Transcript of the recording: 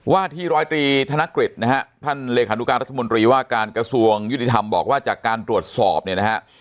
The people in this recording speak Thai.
ว่าที่ร้อยตรีธนกฤษนะฮะท่านเลขานุการรัฐมนตรีว่าการกระทรวงยุติธรรมบอกว่าจากการตรวจสอบเนี่ยนะฮะ